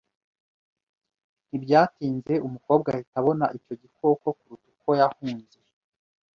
Ntibyatinze umukobwa ahita abona icyo gikoko kuruta uko yahunze.